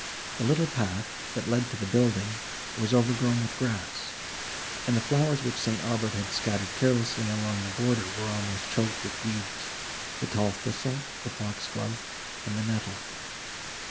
The little path, that led to the building, was overgrown with grass and the flowers which St. Aubert had scattered carelessly along the border were almost choked with weeds—the tall thistle—the fox glove, and the nettle.